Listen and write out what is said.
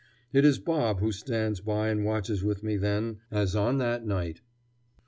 It is Bob who stands by and watches with me then, as on that night.